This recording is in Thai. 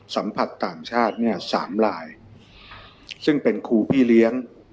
สัมผัสต่างชาติเนี่ยสามลายซึ่งเป็นครูพี่เลี้ยง